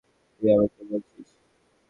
তুই আমাকে বলছিস?